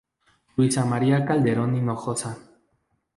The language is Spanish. Luisa María Calderón Hinojosa.